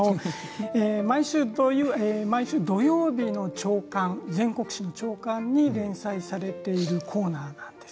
毎週土曜日全国紙の朝刊に連載されているコーナーなんです。